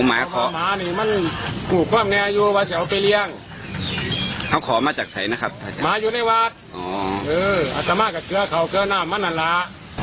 อาตามากับเขาเขาราบนำมันนรา